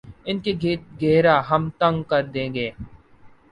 ان کے گرد گھیرا ہم تنگ کر دیں گے۔